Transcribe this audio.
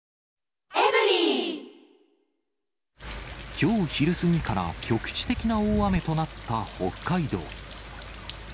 きょう昼過ぎから局地的な大雨となった北海道。